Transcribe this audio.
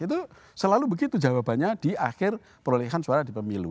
itu selalu begitu jawabannya di akhir perolehan suara di pemilu